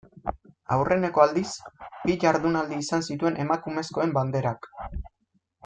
Aurreneko aldiz bi jardunaldi izan zituen Emakumezkoen Banderak.